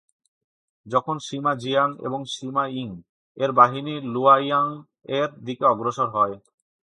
যখন Sima Jiang এবং Sima Ying এর বাহিনী লুয়াইয়াং এর দিকে অগ্রসর হয়।